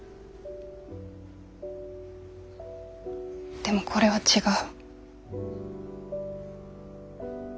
でもこれは違う。